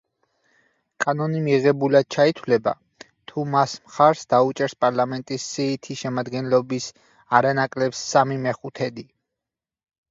კანონი მიღებულად ჩაითვლება, თუ მას მხარს დაუჭერს პარლამენტის სიითი შემადგენლობის არანაკლებ სამი მეხუთედი.